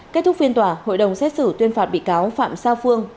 kết thúc phiên tòa hội đồng xét xử tuyên phạt bị cáo phạm sa phương